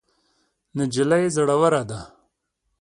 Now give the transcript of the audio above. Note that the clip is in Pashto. نجلۍ زړوره ده.